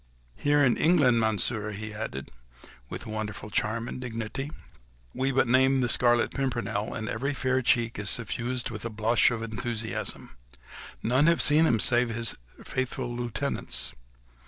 Here in England, Monsieur," he added, with wonderful charm and dignity, "we but name the Scarlet Pimpernel, and every fair cheek is suffused with a blush of enthusiasm. None have seen him save his faithful lieutenants.